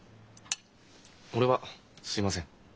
俺は吸いません。